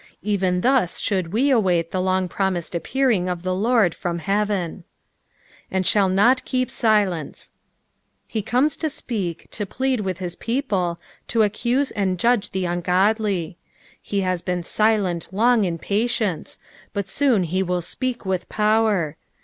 Even thus should we await the long^promised appearing of the Lord from heaven. "And i/uUt n^ ta^ tilenee." He cornea to apeak, to plead with his people, to accuse and judge the ungodly. He has been silent long in patience, but soon he will speak with power.